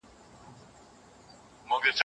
استرس او تشویش د مور شیدې کموي.